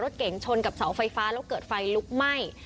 เก่งชนกับเสาไฟฟ้าแล้วเกิดไฟลุกไหม้